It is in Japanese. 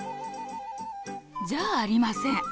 じゃありません。